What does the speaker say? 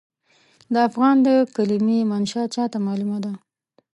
د افغان د کلمې منشا چاته معلومه نه ده.